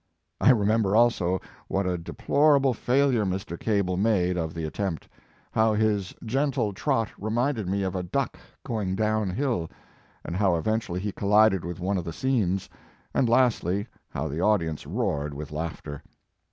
I remember also what a deplor able failure Mr. Cable made of the at tempt, how his gentle trot reminded me of a duck going down hill, and how eventually he collided with one of the scenes, and lastly how the audience roared with laughter.